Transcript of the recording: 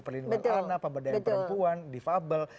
pembedaan perempuan defable